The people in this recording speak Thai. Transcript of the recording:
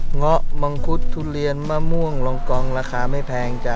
เงาะมังคุดทุเรียนมะม่วงรองกองราคาไม่แพงจ้ะ